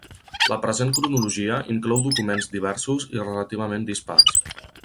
La present cronologia inclou documents diversos i relativament dispars.